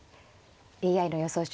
ＡＩの予想手